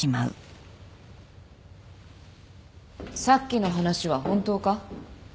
さっきの話は本当か？